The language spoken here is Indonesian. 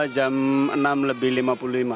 jam enam lebih lima puluh lima